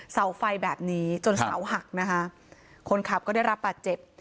เสาไฟแบบนี้จนเสาหักนะคะคนขับก็ได้รับบาดเจ็บ